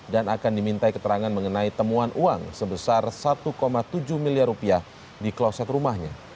dan akan diminta keterangan mengenai temuan uang sebesar satu tujuh miliar rupiah di kloset rumahnya